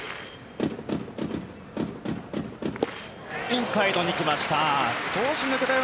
インサイドに来ました。